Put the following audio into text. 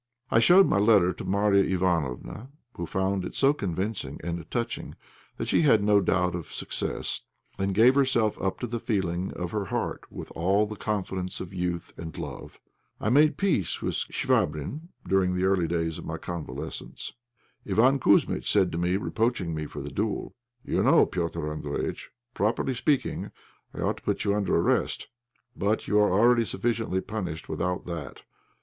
I showed my letter to Marya Ivánofna, who found it so convincing and touching that she had no doubt of success, and gave herself up to the feelings of her heart with all the confidence of youth and love. I made peace with Chvabrine during the early days of my convalescence. Iván Kouzmitch said to me, reproaching me for the duel "You know, Petr' Andréjïtch, properly speaking, I ought to put you under arrest; but you are already sufficiently punished without that.